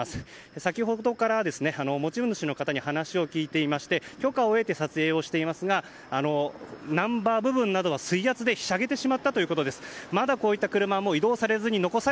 先ほどから持ち主の方に話を聞いていまして許可を得て撮影をしていますがナンバー部分などは水圧で今日の予定は？